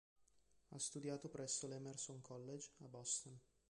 Ha studiato presso l'Emerson College a Boston.